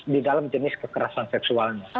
dalam jenis kekerasan seksualnya